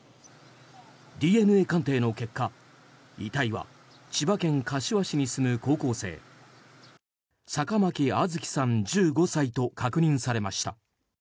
ＤＮＡ鑑定の結果遺体は、千葉県柏市に住む高校生坂巻杏月さん、１５歳と確認されました。